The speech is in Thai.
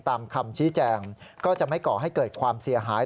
คำชี้แจงก็จะไม่ก่อให้เกิดความเสียหาย